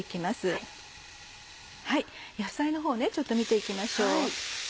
野菜のほうをちょっと見て行きましょう。